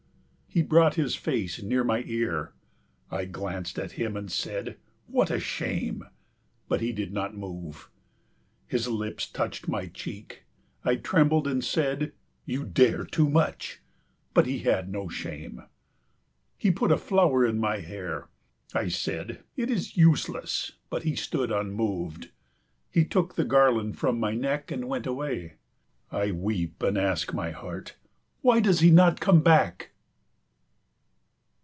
He brought his face near my ear. I glanced at him and said, "What a shame!"; but he did not move. His lips touched my cheek. I trembled and said, "You dare too much;" but he had no shame. He put a flower in my hair. I said, "It is useless!"; but he stood unmoved. He took the garland from my neck and went away. I weep and ask my heart, "Why does he not come back?"